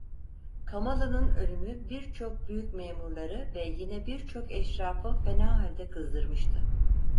Kamalı'nın ölümü birçok büyük memurları ve yine birçok eşrafı fena halde kızdırmıştı.